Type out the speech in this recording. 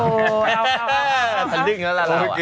โอเคช่วงหน้าค่ะ